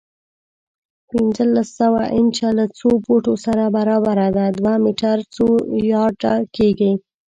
پنځلس سوه انچه له څو فوټو سره برابره ده؟ دوه میټر څو یارډه کېږي؟